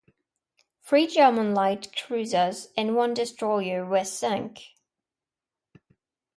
Three German light cruisers and one destroyer were sunk.